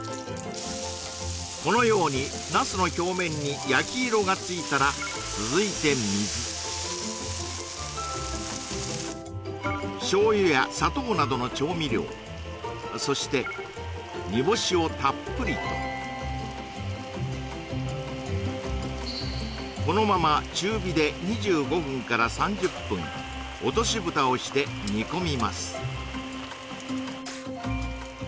このようにナスの表面に焼き色がついたら続いて水醤油や砂糖などの調味料そして煮干しをたっぷりとこのまま中火で２５分から３０分落としぶたをして煮込みます